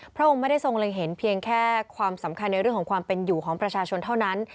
พระองค์ไม่ได้ทรงเล็งเห็นเพียงแค่ความสำคัญในเรื่องของความเป็นอยู่ของประชาชนเท่านั้น